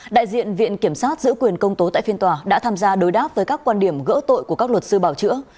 đại diện viện kiểm sát giữ quyền công tố tại phiên tòa đã tham gia đối đáp với các quan điểm gỡ tội của các luật sư bảo chữa